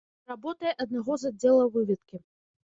Кіруе работай аднаго з аддзелаў выведкі.